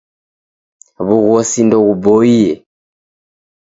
W'ughosi ndeguboie.